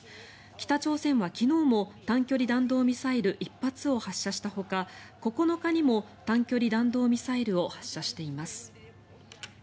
北朝鮮は昨日も短距離弾道ミサイル１発を発射したほか９日にも短距離弾道ミサイルを発射しています。